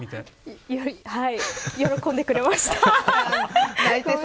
はい、喜んでくれました。